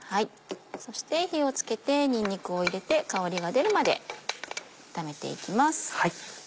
そして火を付けてにんにくを入れて香りが出るまで炒めていきます。